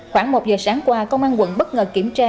khoảng một giờ sáng qua công an quận bất ngờ kiểm tra